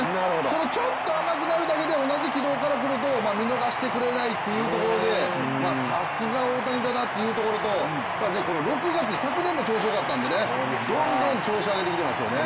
そのちょっと甘くなるだけで同じ軌道で来ると見逃してくれないというところで、さすが大谷だなというところと６月、昨年も調子よかったのでどんどん調子上げてきてますよね。